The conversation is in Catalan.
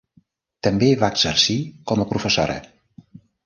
També va exercir com a professora.